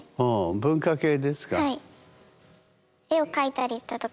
文化系ですか？